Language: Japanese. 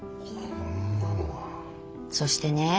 そしてね